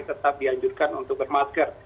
tetap dianjurkan untuk bermasker